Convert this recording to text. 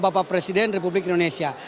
bapak presiden republik indonesia